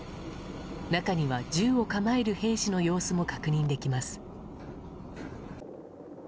中には、銃を構える兵士の様子も確認できます。